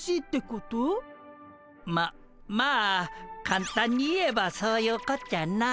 ままあかんたんに言えばそういうこっちゃな。